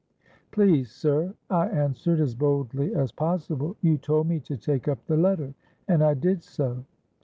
'—'Please, sir,' I answered, as boldly as possible, 'you told me to take up the letter; and I did so.'